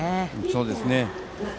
そうですね。